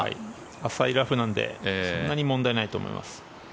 浅いラフなのでそんなに問題ないと思います。